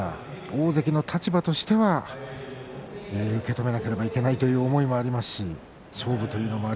大関の立場としては受け止めなければいけないという思いもありますし勝負というのも